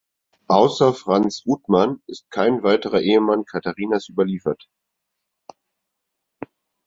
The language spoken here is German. Außer Franz Uthmann ist kein weiterer Ehemann Katharinas überliefert.